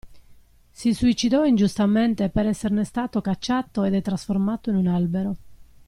Si suicidò ingiustamente per esserne stato cacciato ed è trasformato in un albero.